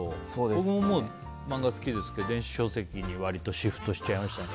僕も漫画好きですけど電子書籍に割とシフトしちゃいましたね。